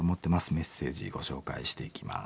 メッセージご紹介していきます。